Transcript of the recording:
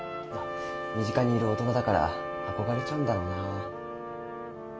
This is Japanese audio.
身近にいる大人だから憧れちゃうんだろうな。